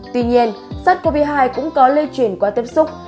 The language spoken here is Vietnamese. tuy nhiên sars cov hai cũng có lây chuyển qua tiếp xúc